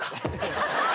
ハハハハ！